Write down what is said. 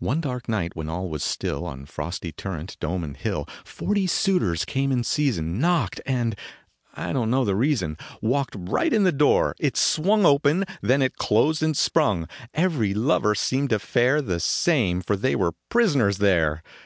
One dark night when all was still On frosty turrent, dome and hill, Forty suitors came in season, Knocked, and I don t know the reason Walked right in the door ; it swung Open, then it closed and sprung ; Every lover seemed to fare The same, for they were prisoners there.